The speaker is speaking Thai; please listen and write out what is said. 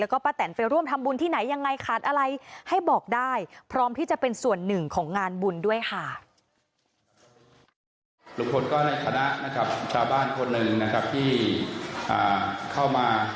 ลุงพลก็ได้คณะนะครับชาวบ้านคนหนึ่งที่เข้ามา